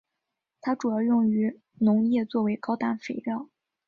它主要用于农业作为高氮肥料。